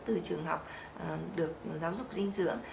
từ trường học được giáo dục dinh dưỡng